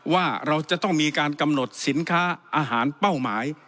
ว่าเราจะต้องมีการกำหนดสินค้าอาหารเป้าหมาย